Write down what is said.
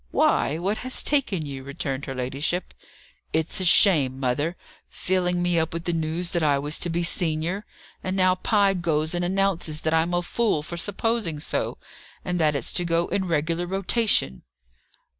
"Why, what has taken you?" returned her ladyship. "It's a shame, mother! Filling me up with the news that I was to be senior? And now Pye goes and announces that I'm a fool for supposing so, and that it's to go in regular rotation."